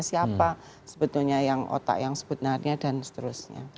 siapa sebetulnya yang otak yang sebenarnya dan seterusnya